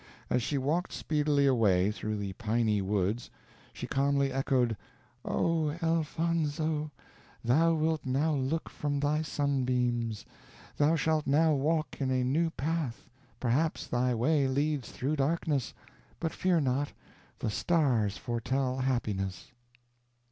As she walked speedily away through the piny woods, she calmly echoed: "O! Elfonzo, thou wilt now look from thy sunbeams. Thou shalt now walk in a new path perhaps thy way leads through darkness; but fear not, the stars foretell happiness."